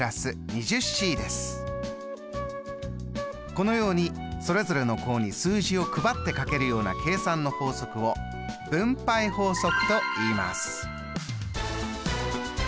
このようにそれぞれの項に数字を配ってかけるような計算の法則を「分配法則」といいます。